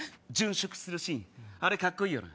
殉職するシーンあれカッコいいよな？